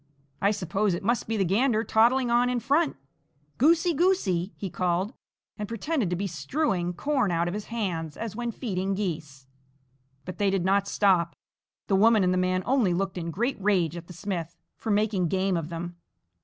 I suppose it must be the gander toddling on in front. Goosey, goosey!" he called, and pretended to be strewing corn out of his hands as when feeding geese. But they did not stop. The woman and the man only looked in great rage at the smith for making game of them.